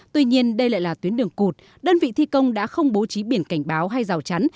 tuy nhiên đây lại là tuyến đường cụt đơn vị thi công đã không bố trí biển cảnh báo hay rào chắn